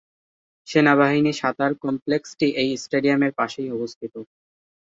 সেনাবাহিনী সাঁতার কমপ্লেক্সটি এই স্টেডিয়ামের পাশেই অবস্থিত।